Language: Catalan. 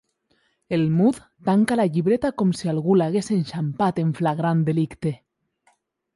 El Mud tanca la llibreta com si algú l'hagués enxampat en flagrant delicte.